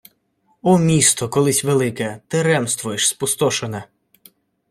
О місто, колись велике! Ти ремствуєш, спустошене